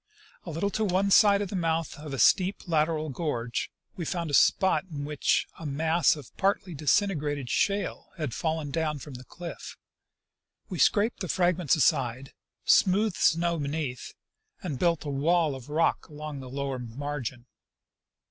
A little to one side of the mouth of a steep lateral gorge we found a spot in which a mass of partly disintegrated shale had fallen down from the cliff. We scraped the fragments aside, smoothed the snow beneath, and built a wall of rock along the lower margin.